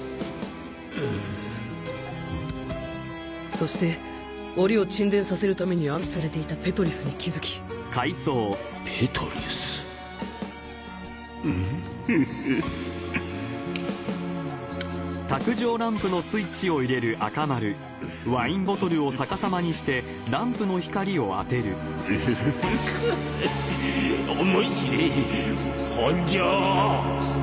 そしてオリを沈殿させるために安置されていたペトリュスに気づきペトリュスフフッフフフフッフフフッ思い知れ本城！